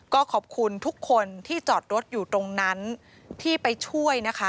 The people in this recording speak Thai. ก็ขอบคุณทุกคนที่จอดรถอยู่ตรงนั้นที่ไปช่วยนะคะ